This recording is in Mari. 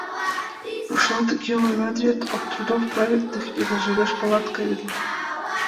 Рушла тыге ойлат вет: «От трудов праведных не наживёшь палат каменных».